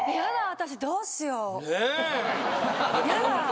私どうしよう？